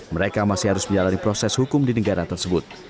mereka masih harus menjalani proses hukum di negara tersebut